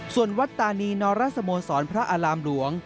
ส่วนวัดตานีนรสโมสรพระอารามหลวง